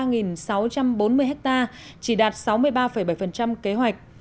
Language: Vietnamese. trong đó năm hai nghìn một mươi sáu tái canh được ba sáu trăm bốn mươi hectare chỉ đạt sáu mươi ba bảy kế hoạch